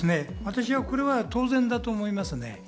私はこれは当然だと思いますね。